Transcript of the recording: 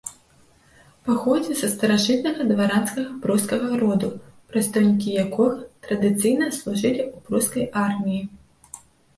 Паходзіў са старажытнага дваранскага прускага роду, прадстаўнікі якога традыцыйна служылі ў прускай арміі.